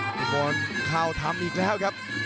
ทุกคนเข้าทำอีกแล้วครับ